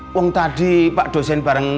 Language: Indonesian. pung tadi pak dosen bareng